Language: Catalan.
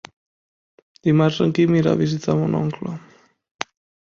Dimarts en Quim irà a visitar mon oncle.